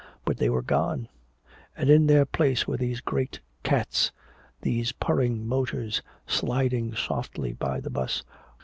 But they were gone, and in their place were these great cats, these purring motors, sliding softly by the 'bus.